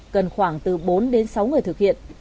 cần khoảng từ bốn đến sáu ngày